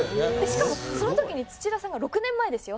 しかもその時に土田さんが６年前ですよ。